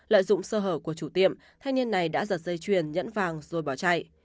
lợi dụng sơ hở của chủ tiệm thanh niên này đã giật dây chuyền nhẫn vàng rồi bỏ chạy